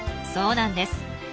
そうなんです。